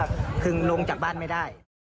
คือลงจากบ้านไม่ได้